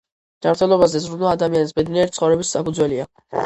ჯანმრთელობაზე ზრუნვა ადამიანის ბედნიერი ცხოვრების საფუძველია.